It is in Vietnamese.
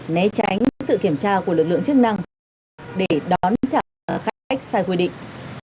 né tránh sự kiểm tra của lực lượng chức năng để đón trả khách sai quy định